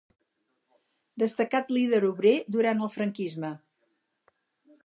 Destacat líder obrer durant el franquisme.